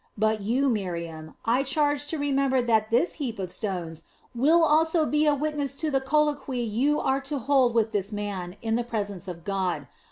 But you, Miriam, I charge to remember that this heap of stones will also be a witness of the colloquy you are to hold with this man in the presence of God.